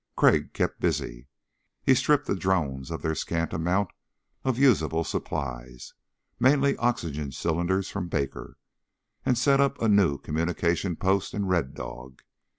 Crag kept busy. He stripped the drones of their scant amount of usable supplies mainly oxygen cylinders from Baker and set up a new communication post in Red Dog.